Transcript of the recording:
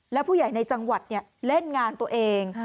แล้วผู้ใหญ่ในจังหวัดเล่นงานตัวเอง